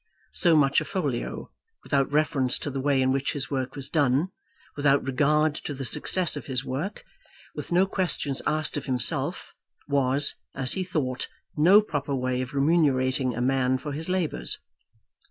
So much a folio, without reference to the way in which his work was done, without regard to the success of his work, with no questions asked of himself, was, as he thought, no proper way of remunerating a man for his labours.